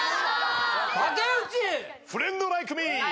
武内「フレンド・ライク・ミー」